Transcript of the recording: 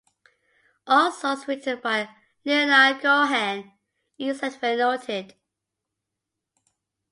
All songs written by Leonard Cohen, except where noted.